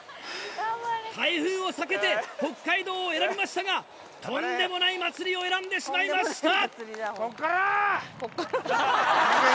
台風を避けて、北海道を選びましたが、とんでもない祭りを選んでしまいました。